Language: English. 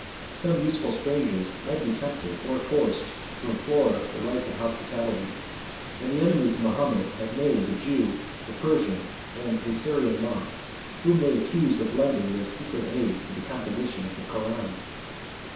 Some useful strangers might be tempted, or forced, to implore the rights of hospitality; and the enemies of Mahomet have named the Jew, the Persian, and the Syrian monk, whom they accuse of lending their secret aid to the composition of the Koran.